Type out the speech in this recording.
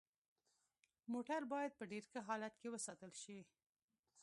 موټر باید په ډیر ښه حالت کې وساتل شي